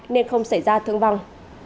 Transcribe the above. nên không xảy ra thương vong